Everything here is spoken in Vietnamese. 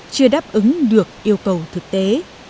chưa đáp ứng được yêu cầu thực tế